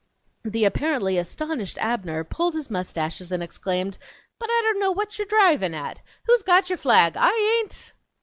The apparently astonished Abner pulled his mustaches and exclaimed: "But I don't know what you're drivin' at! Who's got yer flag? I hain't!"